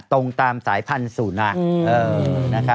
ตรงตามสายพันธุ์สูนัก